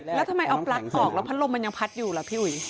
แล้วทำไมเอาปลั๊กออกแล้วพัดลมมันยังพัดอยู่ล่ะพี่อุ๋ย